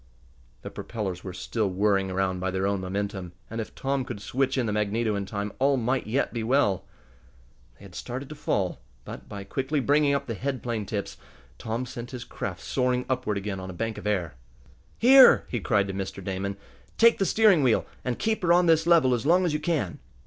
The propellers were still whirring around by their own momentum, and if Tom could switch in the magneto in time all might yet be well. They had started to fall, but, by quickly bringing up the head plane tips, Tom sent his craft soaring upward again on a bank of air. "Here!" he cried to Mr. Damon. "Take the steering wheel and kept her on this level as long as you can."